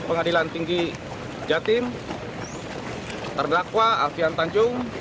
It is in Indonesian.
pengadilan tinggi jatim terdakwa alfian tanjung